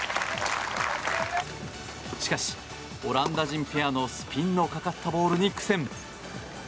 しかし、オランダ人ペアのスピンのかかったボールに苦戦。